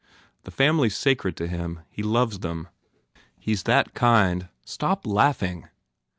The family s sacred to him. He loves them. He s that kind. Stop laughing!"